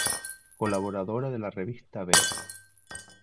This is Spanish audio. Colaboradora de la revista Vea.